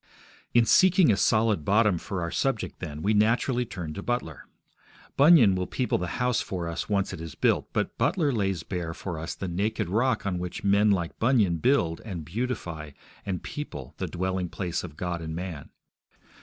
In seeking a solid bottom for our subject, then, we naturally turn to Butler. Bunyan will people the house for us once it is built, but Butler lays bare for us the naked rock on which men like Bunyan build and beautify and people the dwelling place of God and man.